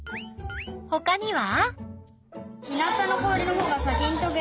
ほかには？